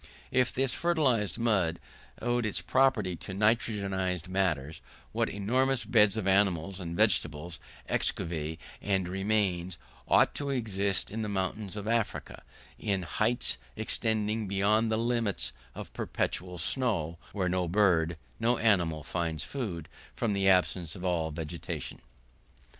If this fertilising mud owed this property to nitrogenised matters; what enormous beds of animal and vegetable exuviae and remains ought to exist in the mountains of Africa, in heights extending beyond the limits of perpetual snow, where no bird, no animal finds food, from the absence of all vegetation!